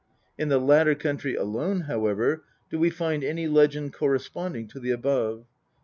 In the latter country alone, however, do we find any legend corresponding to the above.